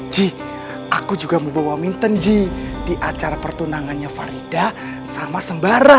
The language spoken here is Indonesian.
ji aku juga mau bawa minta ji di acara pertunangannya farida sama sembara